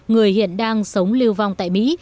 người hiện đang sống lưu vong tại mỹ